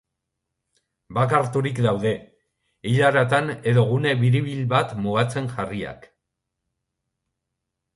Bakarturik daude, ilaratan edo gune biribil bat mugatzen jarriak.